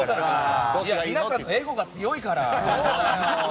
皆さんのエゴが強いから！